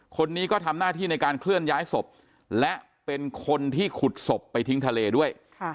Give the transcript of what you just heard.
คนนี้ก็ทำหน้าที่ในการเคลื่อนย้ายศพและเป็นคนที่ขุดศพไปทิ้งทะเลด้วย